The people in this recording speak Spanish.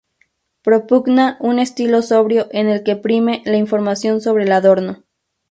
Propugna un estilo sobrio en el que prime la información sobre el adorno.